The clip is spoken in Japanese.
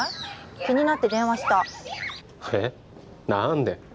気になって電話したえっ何で？